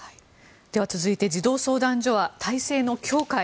続いて児童相談所は体制の強化へ。